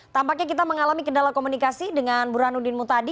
tampaknya kita mengalami kendala komunikasi dengan burhanuddin mutadi